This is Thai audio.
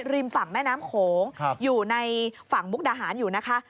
ฝั่งแม่น้ำโขงอยู่ในฝั่งมุกดาหารอยู่นะคะ